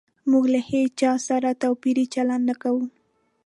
موږ له هيچا سره توپيري چلند نه کوو